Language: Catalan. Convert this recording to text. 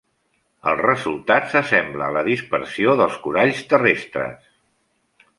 El resultat s'assembla a la dispersió dels coralls terrestres.